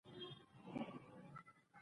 وروسته د ډول غږ پورته شو